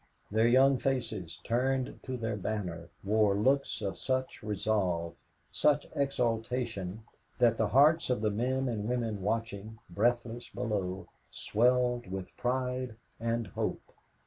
Their young faces, turned to their banner, wore looks of such resolve, such exultation, that the hearts of the men and women watching, breathless below, swelled with pride and hope.